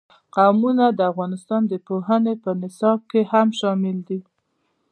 قومونه د افغانستان د پوهنې په نصاب کې هم شامل دي.